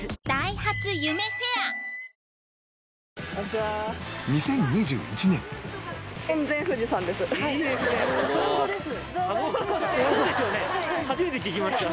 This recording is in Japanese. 初めて聞きました。